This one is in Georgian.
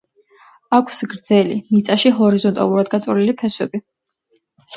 აქვს გრძელი, მიწაში ჰორიზონტალურად გაწოლილი ფესვები.